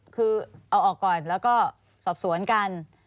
คือเอาออกก่อนแล้วก็สอบสวนกัน